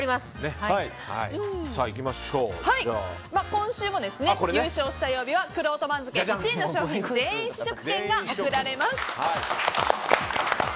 今週も優勝した曜日はくろうと番付１位の商品全員試食券が贈られます。